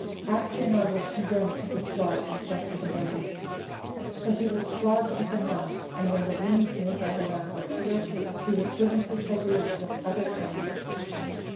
Aksionov was condemned to be flogged and sent to the mines. So he was flogged with a knot, and when the wounds made by the knot were healed, he was driven to Siberia with other convicts.